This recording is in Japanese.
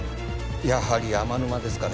やはり天沼ですかね